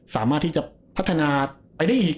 สามารถที่จะพัฒนาไปได้อีก